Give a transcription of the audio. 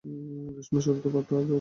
গ্রীষ্মের শুরুতে পাতা ঝরায়।